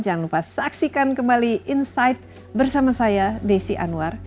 jangan lupa saksikan kembali insight bersama saya desi anwar